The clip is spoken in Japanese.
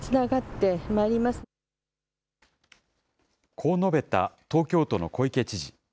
こう述べた、東京都の小池知事。